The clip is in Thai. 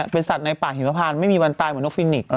เป็นสัตว์ในป่าหิมพานไม่มีวันตายเหมือนนกฟินิก